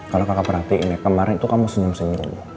kalo kakak perhatiin ya kemarin tuh kamu senyum senyum